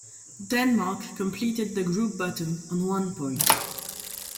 Denmark completed the group bottom, on one point.